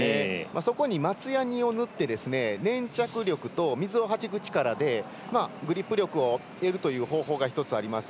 そこに松やにを塗って粘着力と水をはじく力でグリップ力を得るという方法が一つあります。